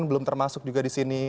belum termasuk juga di sini